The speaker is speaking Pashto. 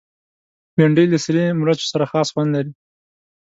بېنډۍ له سرې مرچو سره خاص خوند لري